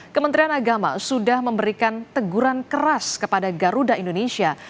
kementerian agama sudah memberikan teguran keras kepada garuda indonesia